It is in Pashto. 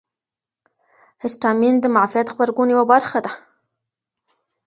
هسټامین د معافیت غبرګون یوه برخه ده.